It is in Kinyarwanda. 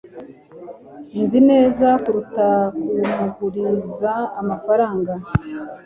nzi neza kuruta kumuguriza amafaranga